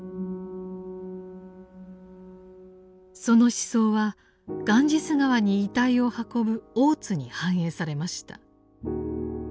その思想はガンジス河に遺体を運ぶ大津に反映されました。